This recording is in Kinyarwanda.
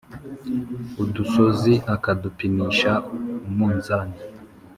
udusozi akadupimisha umunzani ?